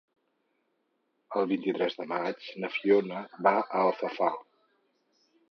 El vint-i-tres de maig na Fiona va a Alfafar.